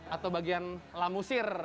atau bagian lamusir